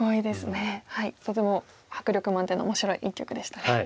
とても迫力満点の面白い一局でしたね。